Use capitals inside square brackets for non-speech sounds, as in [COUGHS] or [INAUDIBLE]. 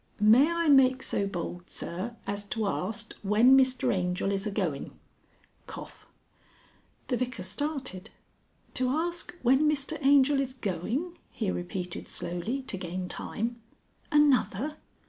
"May I make so bold, sir, as to arst when Mr Angel is a going?" [COUGHS] The Vicar started. "To ask when Mr Angel is going?" he repeated slowly to gain time. "_Another!